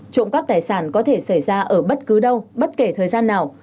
trộm cắp tài sản có thể xảy ra ở bất cứ đâu bất kể thời gian nào